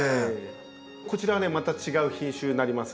こちらはまた違う品種になります。